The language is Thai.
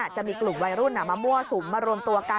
จะมีกลุ่มวัยรุ่นมามั่วสุมมารวมตัวกัน